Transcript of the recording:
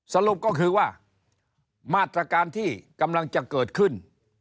สรุปก็คือว่ามาตรการที่กำลังจะเกิดขึ้น